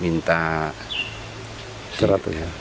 kita harus berusaha untuk memperbaiki rumah ini